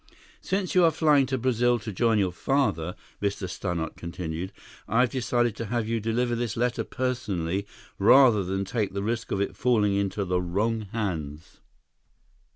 "Since you are flying to Brazil to join your father," Mr. Stannart continued, "I decided to have you deliver this letter personally, rather than take the risk of its falling into the wrong hands."